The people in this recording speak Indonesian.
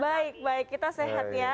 baik baik kita sehat ya